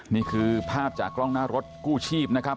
นี่คือภาพจากกล้องหน้ารถกู้ชีพนะครับ